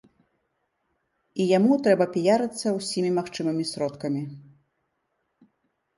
І яму трэба піярыцца ўсімі магчымымі сродкамі.